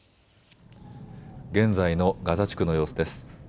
現在のガザ地区の様子です。